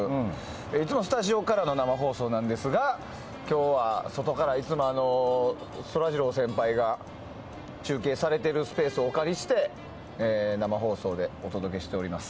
いつもスタジオからの生放送なんですが今日は外からいつも、そらジロー先輩が中継されているスペースをお借りして生放送でお届けしております。